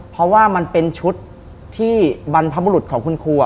เพราะว่ามันเป็นชุดที่บรรพบุรุษของคุณครู